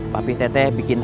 papi teteh bikin